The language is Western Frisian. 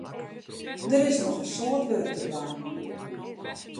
Der is noch in soad wurk te dwaan.